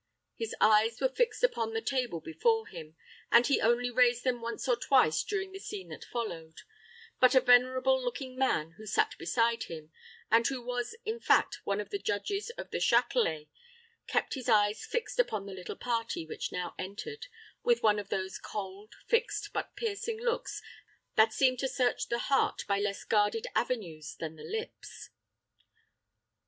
His eyes were fixed upon the table before him, and he only raised them once or twice during the scene that followed; but a venerable looking man who sat beside him, and who was, in fact, one of the judges of the Châtelet, kept his eyes fixed upon the little party which now entered with one of those cold, fixed, but piercing looks that seem to search the heart by less guarded avenues than the lips.